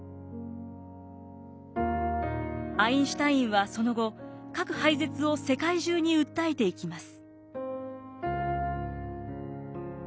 アインシュタインはその後核廃絶を世界中に訴えていきます。